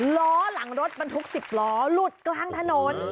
ล้อหลังรถบรรทุก๑๐ล้อหลุดกลางถนน